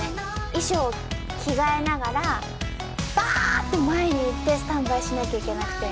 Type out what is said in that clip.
衣装着替えながらばって前に行ってスタンバイしなきゃいけなくて。